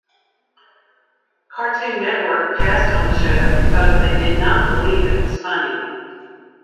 Cartoon Network passed on the show because they did not believe it was funny.